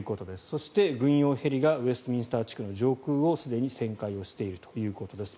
そして、軍用ヘリがウェストミンスター地区の上空をすでに旋回をしているということです。